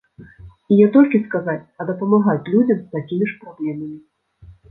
І не толькі сказаць, а дапамагаць людзям з такімі ж праблемамі.